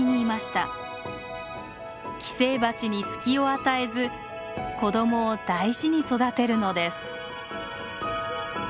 寄生バチに隙を与えず子供を大事に育てるのです。